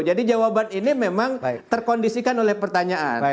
jadi jawaban ini memang terkondisikan oleh pertanyaan